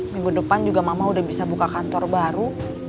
minggu depan juga mama udah bisa buka kantor baru